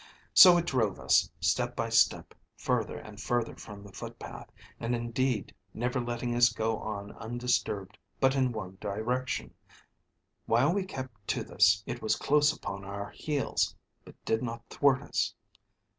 So it drove us, step by step, further and further from the footpath, and indeed never letting us go on undisturbed but in one direction. While we kept to this, it was close upon our heels, but did not thwart us.